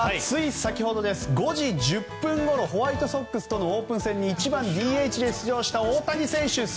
つい先ほど５時１０分ごろホワイトソックスとのオープン戦に１番ＤＨで出場した大谷選手。